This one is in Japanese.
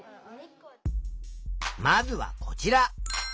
まずはこちら。